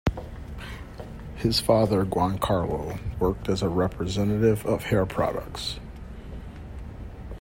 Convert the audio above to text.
His father, Giancarlo, worked as a representative of hair products.